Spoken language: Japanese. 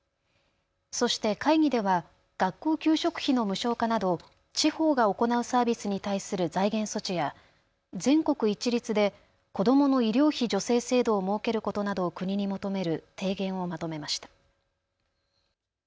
そして会議では学校給食費の無償化など地方が行うサービスに対する財源措置や全国一律で子どもの医療費助成制度を設けることなどを国に求める提言をまとめました。